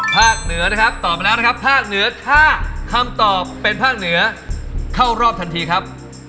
เหนือนะครับตอบมาแล้วนะครับภาคเหนือถ้าคำตอบเป็นภาคเหนือเข้ารอบทันทีครับ